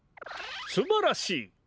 すばらしい！